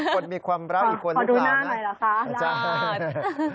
คนมีความรักอีกคนขอดูหน้าหน่อยล่ะค่ะอาจารย์